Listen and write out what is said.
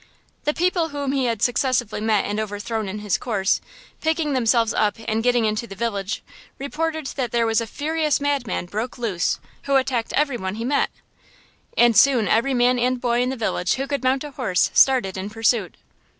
The people whom he had successively met and overthrown in his course, picking themselves up and getting into the village, reported that there was a furious madman broke loose, who attacked every one he met. And soon every man and boy in the village who could mount a horse started in pursuit.